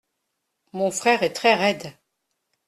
Mon frère est très raide.